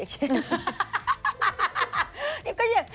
เฉกเช่น